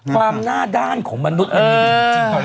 ความหน้าด้านของมนุษย์ไม่มี